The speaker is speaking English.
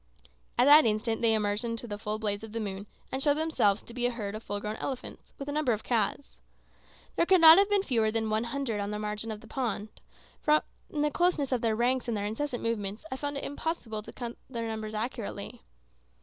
At that instant they emerged into the full blaze of the moon, and showed themselves to be a herd of full grown elephants, with a number of calves. There could not have been fewer than one hundred on the margin of the pond; but from the closeness of their ranks and their incessant movements I found it impossible to count their numbers accurately.